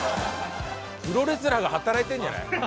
「プロレスラーが働いてるんじゃない？」